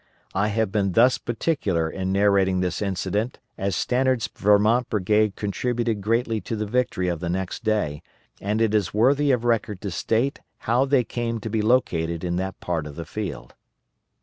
I have been thus particular in narrating this incident as Stannard's Vermont brigade contributed greatly to the victory of the next day and it is worthy of record to state how they came to be located in that part of the field.